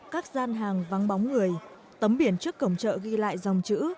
các gian hàng vắng bóng người tấm biển trước cổng chợ ghi lại dòng chữ